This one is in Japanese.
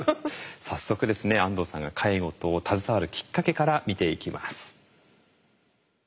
早速ですね安藤さんが介護と携わるきっかけから見ていきます。